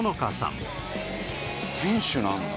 店主なんだ。